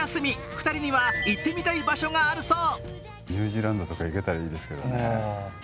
２人には行ってみたい場所があるそう。